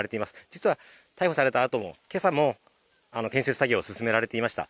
実は逮捕されたあとも、今朝も建設作業は進められていました。